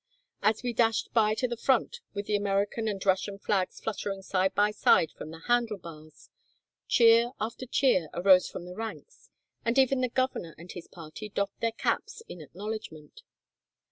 As we dashed by to the front with the American and Russian flags fluttering side by side from the handle bars, cheer after cheer arose from the ranks, and even the governor and his party doffed their caps in acknowledgment.